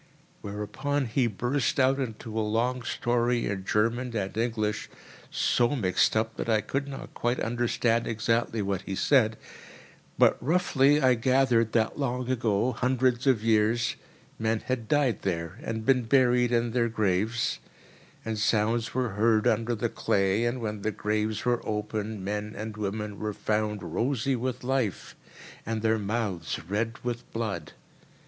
Whereupon he burst out into a long story in German and English, so mixed up that I could not quite understand exactly what he said, but roughly I gathered that long ago, hundreds of years, men had died there and been buried in their graves; and sounds were heard under the clay, and when the graves were opened, men and women were found rosy with life, and their mouths red with blood.